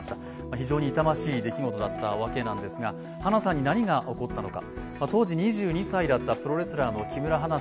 非常に痛ましい出来事だったわけですが、花さんに何が起こったのか。